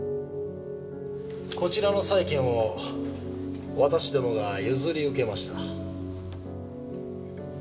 こちらの債権を私どもが譲り受けました。